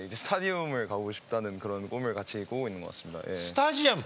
スタジアム！